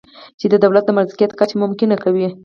چې د دولت د مرکزیت کچه ممکنه کوي